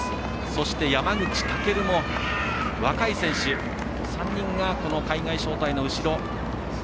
そして、山口武も若い選手３人がこの海外招待の後ろ。